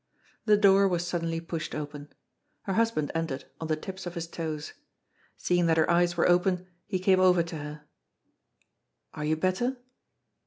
The door was suddenly pushed open. Her husband entered on the tips of his toes. Seeing that her eyes were open, he came over to her. "Are you better?"